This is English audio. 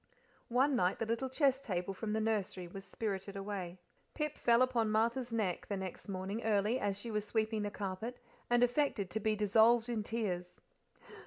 One night the little chess table from the nursery was spirited away. Pip fell upon Martha's neck the next morning early, as she was sweeping the carpet, and affected to be dissolved in tears.